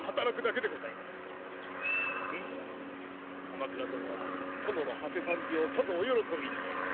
鎌倉殿は殿のはせ参じをさぞお喜びに。